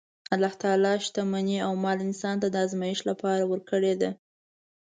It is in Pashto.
الله تعالی شتمني او مال انسان ته د ازمایښت لپاره ورکړې ده.